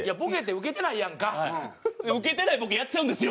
ウケてないボケやっちゃうんですよ。